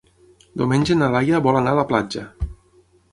Diumenge na Laia vol anar a la platja.